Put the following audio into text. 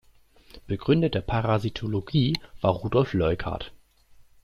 Begründer der Parasitologie war Rudolf Leuckart.